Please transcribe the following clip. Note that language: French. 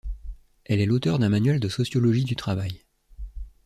Elle est l'auteur d'un manuel de sociologie du travail.